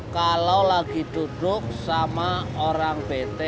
kalau lagi duduk sama orang pt